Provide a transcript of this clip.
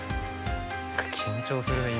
緊張するね